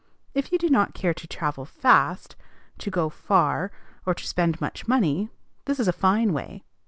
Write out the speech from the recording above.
If you do not care to travel fast, to go far, or to spend much money, this is a fine way.